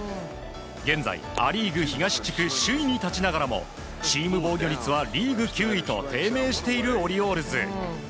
現在ア・リーグ東地区首位に立ちながらもチーム防御率はリーグ９位と低迷しているオリオールズ。